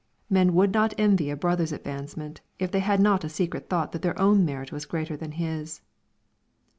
Men would not envy a brother's advancement if they had not a secret thought that their own merit was greater than his.